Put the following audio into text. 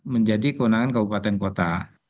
menjadi kewenangan kabupaten kota